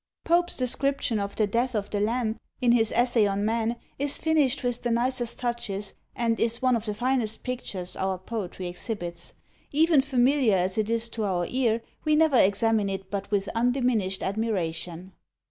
Pope's description of the death of the lamb, in his "Essay on Man," is finished with the nicest touches, and is one of the finest pictures our poetry exhibits. Even familiar as it is to our ear, we never examine it but with undiminished admiration.